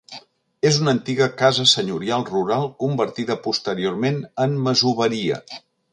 És una antiga casa senyorial rural convertida posteriorment en masoveria.